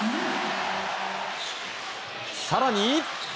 更に。